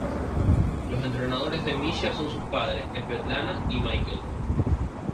Los entrenadores de Misha son sus padres, Svetlana y Michael.